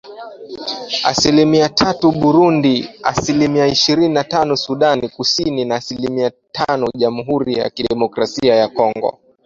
Asilimia tatu Burundi ,asilimia ishirini na tano Sudan Kusini na asilimia tano Jamhuri ya Kidemokrasia ya Kongo.